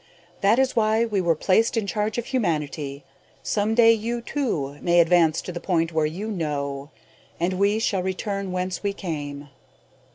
"That is why we were placed in charge of humanity. Someday you, too, may advance to the point where you know, and we shall return whence we came."